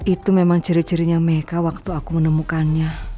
itu memang ciri cirinya meka waktu aku menemukannya